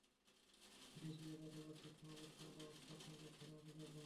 জ্যোতিষী ও জাদুকরদেরকে সমবেত করল এবং স্বপ্নের ব্যাখ্যা জানতে চাইল।